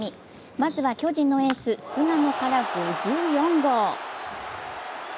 まずは巨人のエース・菅野から５４号。